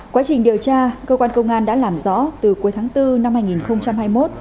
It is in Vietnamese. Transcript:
quá trình điều tra cơ quan công an đã làm rõ từ cuối tháng bốn năm hai nghìn hai mươi một